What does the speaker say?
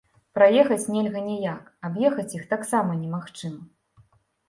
Праехаць нельга ніяк, аб'ехаць іх так сама немагчыма.